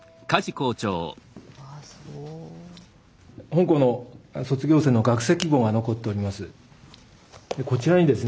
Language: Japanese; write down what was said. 本校の卒業生の学籍簿が残っております。